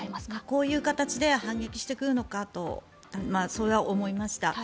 こういう形で反撃してくるのかとそれは思いました。